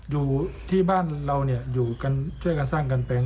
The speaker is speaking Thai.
อยู่ที่บ้านเราอยู่กันช่วยกันสร้างกันแปลง